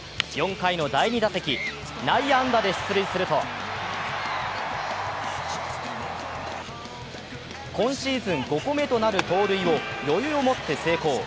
４回の第２打席、内野安打で出塁すると今シーズン５個目となる盗塁を余裕をもって成功。